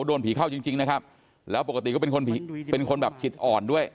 โดนผีเข้าจริงจริงนะครับแล้วปกติก็เป็นคนเป็นคนแบบจิตอ่อนด้วย